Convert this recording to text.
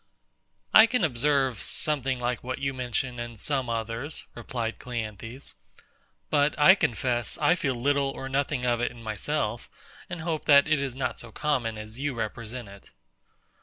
I can observe something like what you mention in some others, replied CLEANTHES: but I confess I feel little or nothing of it in myself, and hope that it is not so common as you represent it.